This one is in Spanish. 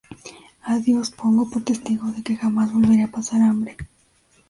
A Dios pongo por testigo de que jamás volveré a pasar hambre